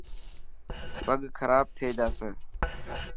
پگ کراب ٿي جاسي.